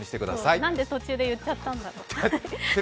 なんで途中で言っちゃったんだろう。